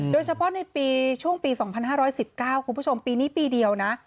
โดยเฉพาะในปีช่วงปี๒๕๑๙คุณผู้ชมปีนี้ปีเดียวนะ